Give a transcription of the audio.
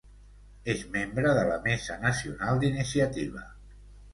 És membre de la Mesa Nacional d'Iniciativa.